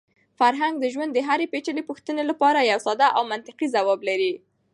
فرهنګ د ژوند د هرې پېچلې پوښتنې لپاره یو ساده او منطقي ځواب لري.